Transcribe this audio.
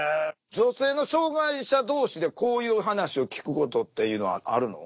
女性の障害者同士でこういう話を聞くことっていうのはあるの？